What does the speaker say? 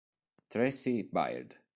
Tracy Byrd